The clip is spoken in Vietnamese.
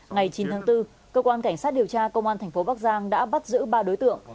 ngày chín tháng bốn cơ quan cảnh sát điều tra công an thành phố bắc giang đã bắt giữ ba đối tượng